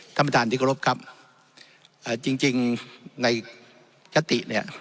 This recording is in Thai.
ท่านประธานดิกรพครับจริงในยติเนี่ย